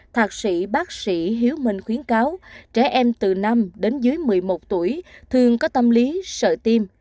thạc sĩ bác sĩ hiếu minh khuyến cáo trẻ em từ năm đến dưới một mươi một tuổi thường có tâm lý sợ tim